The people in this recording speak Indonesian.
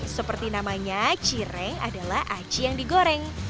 seperti namanya cireng adalah aci yang digoreng